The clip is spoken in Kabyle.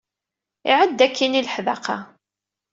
Iɛedda akkinna i leḥdaqa.